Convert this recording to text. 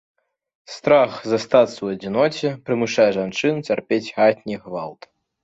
Страх застацца ў адзіноце прымушае жанчын цярпець хатні гвалт.